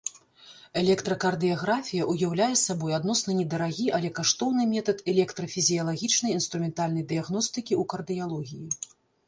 Электракардыяграфія ўяўляе сабой адносна недарагі, але каштоўны метад электрафізіялагічнай інструментальнай дыягностыкі ў кардыялогіі.